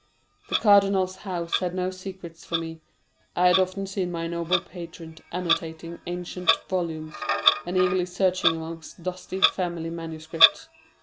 The cardinal's house had no secrets for me. I had often seen my noble patron annotating ancient volumes, and eagerly searching amongst dusty family manuscripts.